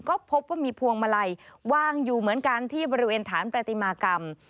ก็พบว่ามีพวงมาลัยวางอยู่เหมือนกันที่บริเวณฐานประติมากรรม